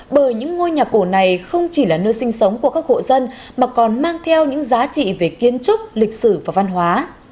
bởi những ngôi nhà cổ này không chỉ là nơi sinh sống của các hộ dân mà còn mang theo những giá trị về kiến trúc lịch sử và văn hóa